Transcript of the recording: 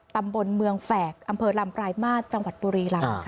ตำบลเมืองแฝกอำเภอลำปลายมาตรจังหวัดบุรีลำ